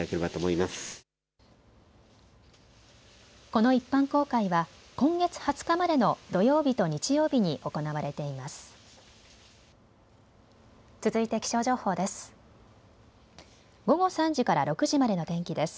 この一般公開は今月２０日までの土曜日と日曜日に行われています。